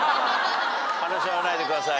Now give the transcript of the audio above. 話し合わないでくださいね。